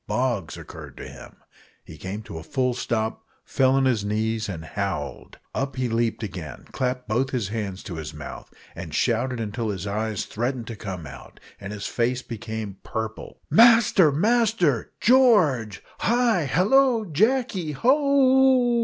Bogs occurred to him he came to a full stop, fell on his knees, and howled. Up he leaped again, clapped both hands to his mouth, and shouted until his eyes threatened to come out, and his face became purple, "Master! Master! George! hi! hallo o! Jacky! ho o o!"